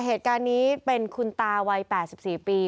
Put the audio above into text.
เหตุการณ์นี้เป็นคุณตาวัย๘๔ปี